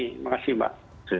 terima kasih mbak